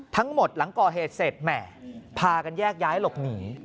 ทั้งหมดหลังก่อเหตุเสร็จแหม่พากันแยกย้ายหลบหนี